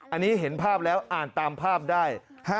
อันนี้เห็นภาพแล้วอ่านตามภาพได้